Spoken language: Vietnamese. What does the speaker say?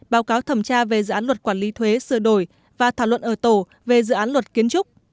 báo cáo thẩm tra về dự án luật quản lý thuế sửa đổi và thảo luận ở tổ về dự án luật kiến trúc